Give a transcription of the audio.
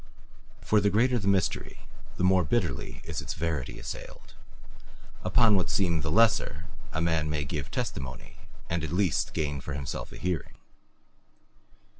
For the greater the mystery, the more bitterly is its verity assailed; upon what seem the lesser a man may give testimony and at least gain for himself a hearing.